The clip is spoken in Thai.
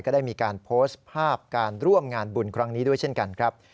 ได้มีการโพสต์ภาพการร่วมงานบุญครั้งนี้ด้วยเช่นกันครับ